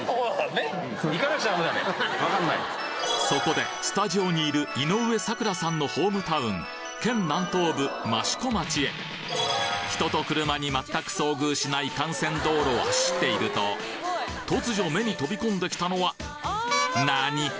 そこでスタジオにいる井上咲楽さんのホームタウン県南東部益子町へ人と車にまったく遭遇しない幹線道路を走っていると突如目に飛び込んできたのはなに？